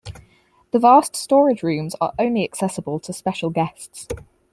The vast storage rooms are only accessible to special guests.